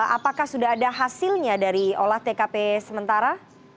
apakah sudah ada hasilnya dari olah tkp sementara